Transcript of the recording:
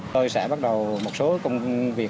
tôi sẽ bắt đầu một số công việc